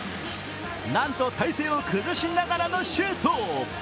なんと、体勢を崩しながらのシュート。